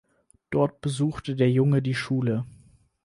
Dort besuchte der Junge die Schule.